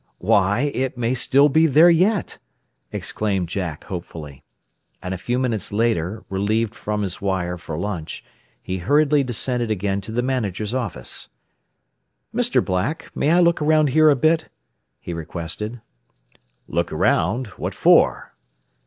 "Why it may be there yet!" exclaimed Jack hopefully. And a few minutes later, relieved from his wire for lunch, he hurriedly descended again to the manager's office. "Mr. Black, may I look around here a bit?" he requested. "Look around? What for?"